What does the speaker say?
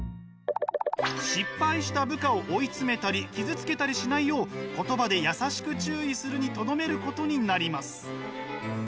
失敗した部下を追い詰めたり傷つけたりしないよう言葉で優しく注意するにとどめることになります。